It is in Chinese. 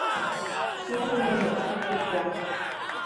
出身于演艺世家。